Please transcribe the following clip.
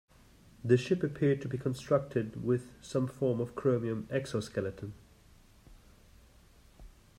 The ship appeared to be constructed with some form of chromium exoskeleton.